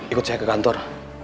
ikut saya ke kantor